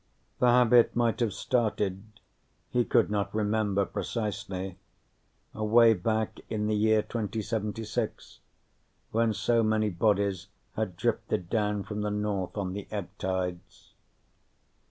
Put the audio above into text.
The habit might have started (he could not remember precisely) away back in the year 2076, when so many bodies had drifted down from the north on the ebb tides.